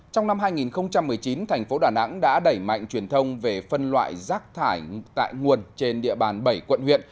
trong năm hai nghìn một mươi chín thành phố đà nẵng đã đẩy mạnh truyền thông về phân loại rác thải tại nguồn trên địa bàn bảy quận huyện